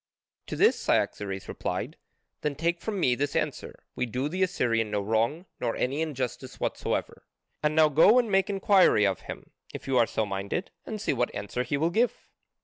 To this Cyaxares replied: "Then take from me this answer: we do the Assyrian no wrong nor any injustice whatsoever. And now go and make inquiry of him, if you are so minded, and see what answer he will give."